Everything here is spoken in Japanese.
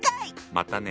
またね。